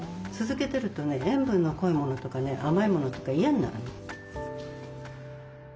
続けてるとね塩分の濃いものとかね甘いものとか嫌になるの。